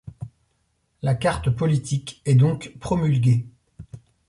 La carte politique est donc promulguée.